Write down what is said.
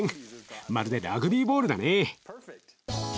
まるでラグビーボールだね。